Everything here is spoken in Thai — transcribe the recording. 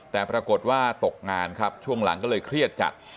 แต่ปรากฏว่าตกงานครับช่วงหลังก็เลยเครียดจัด